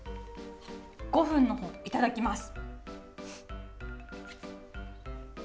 ５分の方、いただきます。